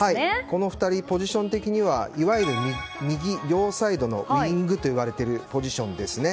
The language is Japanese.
この２人、ポジション的にはいわゆる両サイドのウィングと呼ばれるポジションですね。